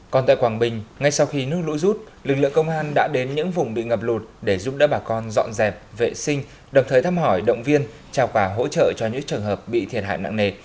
còn tại quảng bình ngay sau khi nước lũ rút lực lượng công an đã đến những vùng bị ngập lụt để giúp đỡ bà con dọn dẹp vệ sinh đồng thời thăm hỏi động viên trao quà hỗ trợ cho những trường hợp bị thiệt hại nặng nề